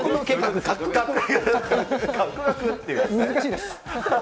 難しいです。